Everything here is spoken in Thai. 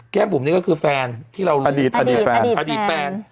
แก้มปุ่มนี้ก็คือแฟนที่เรารู้อดีตแฟน